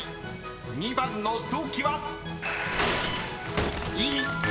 ［２番の臓器は］